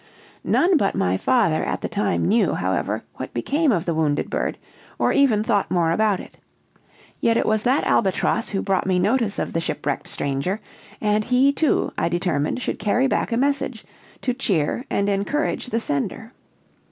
None but my father at the time knew, however, what became of the wounded bird, or even thought more about it. Yet it was that albatross who brought me notice of the shipwrecked stranger and he, too, I determined should carry back a message, to cheer and encourage the sender.